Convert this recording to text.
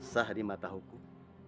sah di mata hukum